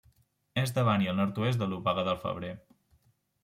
És davant i al nord-oest de l'Obaga del Febrer.